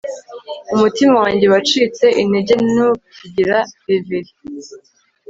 umutima wanjye wacitse intege ntukigira reverie